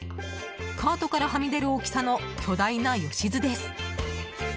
カートからはみ出る大きさの巨大なよしずです。